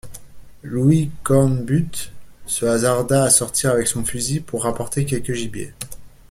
Louis Cornbutte se hasarda à sortir avec son fusil pour rapporter quelque gibier.